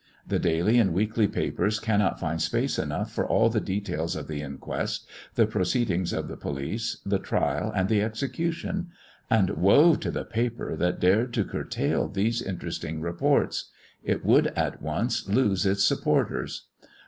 The daily and weekly papers cannot find space enough for all the details of the inquest, the proceedings of the police, the trial, and the execution; and woe to the paper that dared to curtail these interesting reports! it would at once lose its supporters.